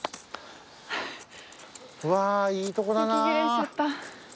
うわーいいとこだな。